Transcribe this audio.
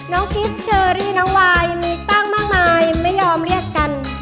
กิฟต์เชอรี่น้องวายมีตั้งมากมายไม่ยอมเรียกกัน